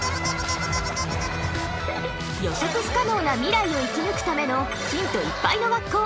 ［予測不可能な未来を生き抜くためのヒントいっぱいの学校